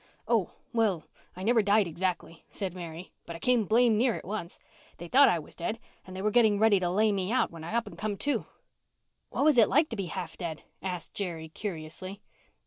"Oh, well, I never died exactly," said Mary, "but I come blamed near it once. They thought I was dead and they were getting ready to lay me out when I up and come to." "What is it like to be half dead?" asked Jerry curiously.